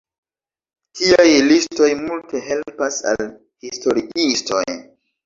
Tiaj listoj multe helpas al historiistoj.